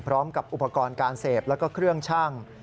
พร้อมกับอุปกรณ์การเสพแล้วก็เครื่องชั่ง